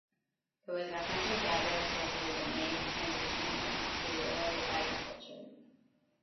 It was a hunter-gatherer culture that made the transition to early agriculture.